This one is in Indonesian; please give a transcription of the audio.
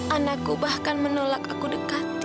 anakku bahkan menolak aku dekati